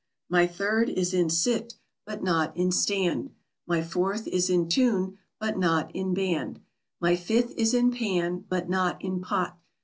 My third is in sit, but not in stand. My fourth is in tune, but not in band. My fifth is in pan, but not in pot.